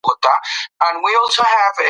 پاکې اوبه د راتلونکي نسل لپاره خوندي کړئ.